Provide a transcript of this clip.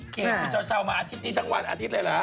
เจ๊ปุ๊ชเซามาอาทิตย์นี้ทั้งวันอาทิตย์เลยเหรอ